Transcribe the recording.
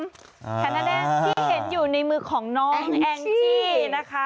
แขนเต้นแดงที่เห็นอยู่ในมือของน้องแองจี้นะคะ